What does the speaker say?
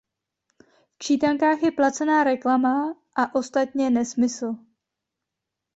V čítankách je placená reklama a ostatně nesmysl.